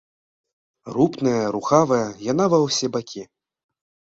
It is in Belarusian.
Рупная, рухавая, яна ва ўсе бакі.